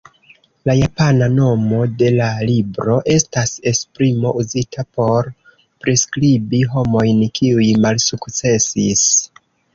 La japana nomo de la libro estas esprimo uzita por priskribi homojn kiuj malsukcesis.